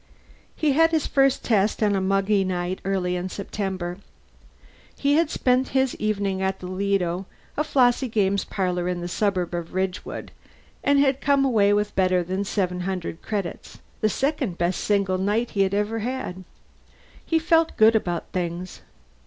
He had his first test on a muggy night early in September. He had spent his evening at the Lido, a flossy games parlor in the suburb of Ridgewood, and had come away with better than seven hundred credits the second best single night he had ever had. He felt good about things.